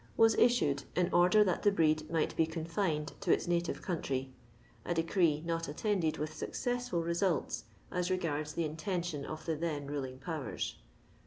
was issued in order that the breed might be con fined to its native country ; a decree not attended with successful results as regards the intention of the then ruling powers.